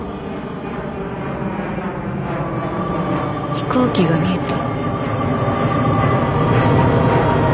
飛行機が見えた。